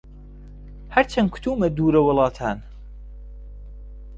هەرچەن کەوتوومە دوورە وڵاتان